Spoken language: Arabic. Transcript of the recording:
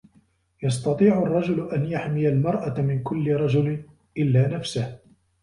يستطيع الرجل أن يحمي المرأة من كل رجل إلّا نفسه.